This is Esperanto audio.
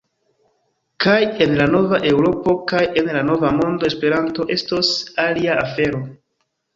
Kaj en la nova Eŭropo kaj en la nova mondo Esperanto estos alia afero.